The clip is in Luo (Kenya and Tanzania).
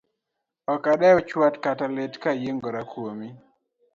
Ok anadew chwat kata lit kayiengora kuomi.